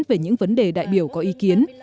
về những vấn đề đại biểu có ý kiến